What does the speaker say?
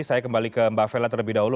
saya kembali ke mbak vella terlebih dahulu